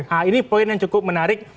nah ini poin yang cukup menarik